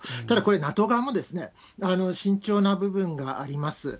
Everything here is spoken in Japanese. ただ、これ、ＮＡＴＯ側も慎重な部分があります。